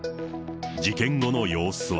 事件後の様子は。